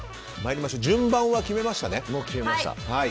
順番は決めましたね。